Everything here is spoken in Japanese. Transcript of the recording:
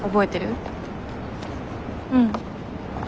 うん。